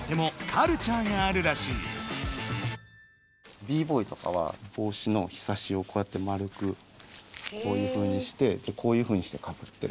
Ｂ−ＢＯＹとかはぼうしのひさしをこうやって丸くこういうふうにしてこういうふうにしてかぶってる。